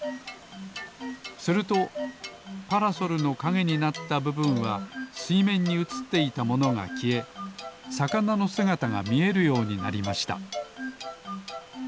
するとパラソルのかげになったぶぶんはすいめんにうつっていたものがきえさかなのすがたがみえるようになりました